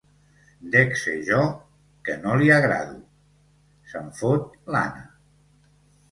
Dec ser jo, que no li agrado —se'n fot l'Anna—.